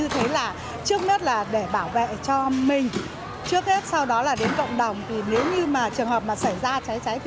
thường là phải chịu thiệt thòi nhất